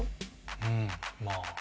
うんまあ